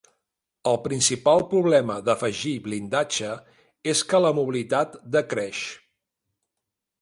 El principal problema d'afegir blindatge és que la mobilitat decreix.